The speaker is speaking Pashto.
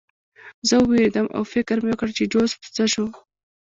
زه ووېرېدم او فکر مې وکړ چې جوزف څه شو